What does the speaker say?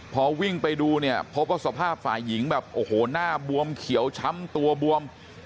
พอวิ่งไปดูเนี่ยพบว่าสภาพฝ่ายหญิงแบบโอ้โหหน้าบวมเขียวช้ำตัวบวม